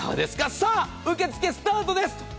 さあ、受け付けスタートです。